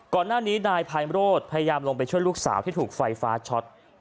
ก่อนหน้านี้นายพายโรธพยายามลงไปช่วยลูกสาวที่ถูกไฟฟ้าช็อต